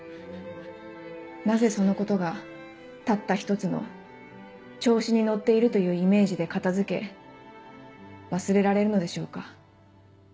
なぜそのことがたった一つの調子に乗っているというイメージで片付け忘れられるのでしょうか？